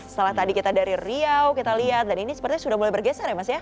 setelah tadi kita dari riau kita lihat dan ini sepertinya sudah mulai bergeser ya mas ya